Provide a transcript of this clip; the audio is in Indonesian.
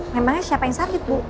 memangnya siapa yang sakit bu